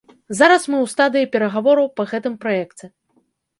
Зараз мы ў стадыі перагавораў па гэтым праекце.